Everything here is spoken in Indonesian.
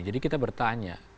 jadi kita bertanya